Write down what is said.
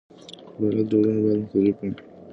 د فعالیت ډولونه باید مختلف وي.